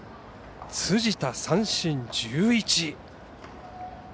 辻田、三振１１。